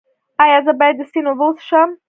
ایا زه باید د سیند اوبه وڅښم؟